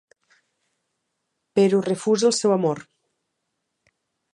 Però refusa el seu amor.